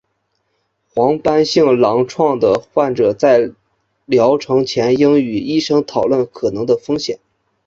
红斑性狼疮的患者在疗程前应先与医生讨论可能的风险。